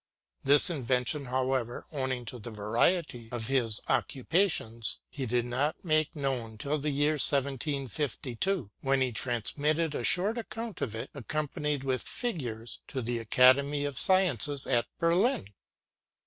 This invention, however, owing to the variety of his occupations, he did not make known till the year 1752, when he transmitted a short account of it, accompanied with figures, to the Academy of Sciences at Berlin.